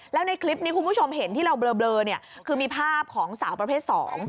แล้วในคลิปนี้คุณผู้ชมเห็นที่เราเบลอเนี่ยคือมีภาพของสาวประเภทสอง